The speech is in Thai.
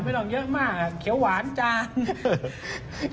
ต้องเยอะมากเขียวหวานจาน